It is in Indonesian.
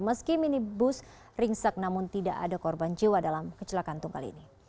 meski minibus ringsek namun tidak ada korban jiwa dalam kecelakaan tunggal ini